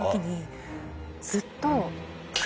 ずっと。